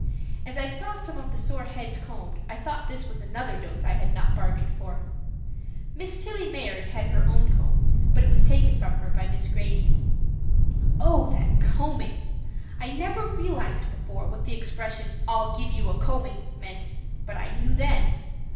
As I saw some of the sore heads combed I thought this was another dose I had not bargained for. Miss Tillie Mayard had her own comb, but it was taken from her by Miss Grady. Oh, that combing! I never realized before what the expression "I'll give you a combing" meant, but I knew then.